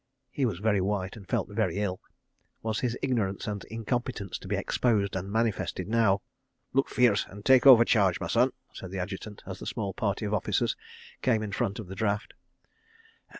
He was very white, and felt very ill. Was his ignorance and incompetence to be exposed and manifested now? ... "Look fierce and take over charge, my son," said the Adjutant, as the small party of officers came in front of the draft.